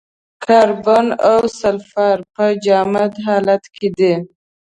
کاربن او سلفر په جامد حالت کې دي.